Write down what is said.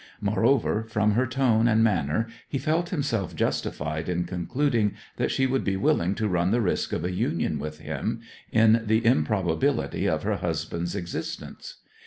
Moreover, from her tone and manner he felt himself justified in concluding that she would be willing to run the risk of a union with him, in the improbability of her husband's existence.